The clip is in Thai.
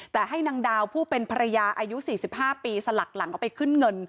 แต่ให้นางดาวผู้เป็นภรรยาอายุ๔๕ปีสลักหลังเอาไปขึ้นเงิน